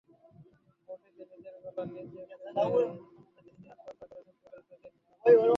বঁটিতে নিজের গলা নিজে কেটে তিনি আত্মহত্যা করেছেন বলেই তাঁদের ধারণা।